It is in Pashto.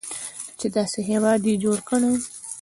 چې داسې هیواد یې جوړ کړی.